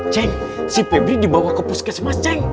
cek si pebri dibawa ke puskesmas ceng